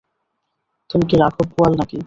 তুমি কি রাঘব বোয়াল না-কি?